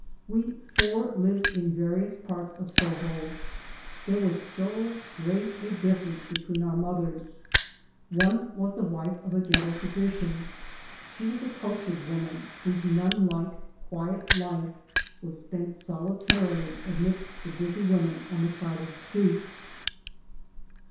We four Uved'in various parts of Soho. There was so great a dif ference between our mothers 1 One was the wife of a ghetto physician ; she was a cultured woman whose nun like quiet life was spent solitarily amidst the busy women on the crowded streets.